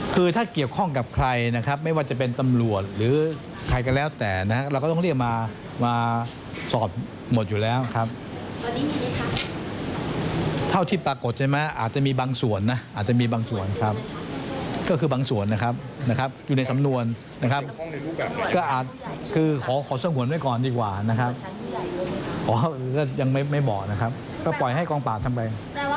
อ๋อก็ยังไม่บอกนะครับก็ปล่อยให้กล้องปากทำแบบนี้